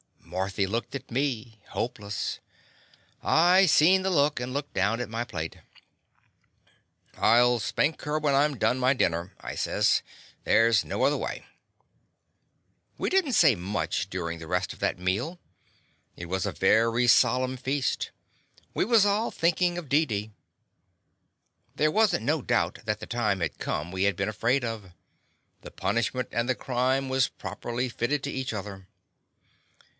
Marthy looked at me, hopeless. I seen the look and looked down at my plate. "I '11 spank her when I 'm done my dinner," I says. "There 's no other way." We did n't say much durin' the rest of that meal. It was a very solemn feast We was all thinkin' of Dee dee. There was n't no doubt that the time had come we had been afraid of. The punishment and the crime was properly fitted to each other.